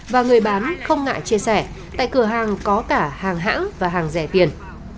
và người bán không ngại chia sẻ tại cửa hàng có cả hàng hãng và hàng rẻ tiền